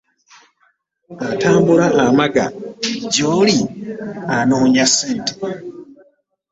Atambula amaga gy'oli anoonya ssente